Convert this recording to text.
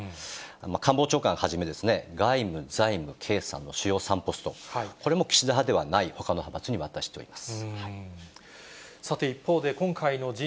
官房長官をはじめですね、外務、財務、経産の主要３ポスト、これも岸田派ではないほかの派閥に渡しています。